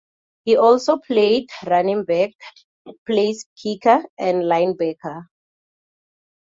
He also played running back, placekicker, and linebacker.